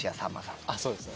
そうですね